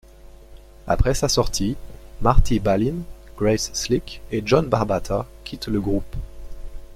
Après sa sortie, Marty Balin, Grace Slick et John Barbata quittent le groupe.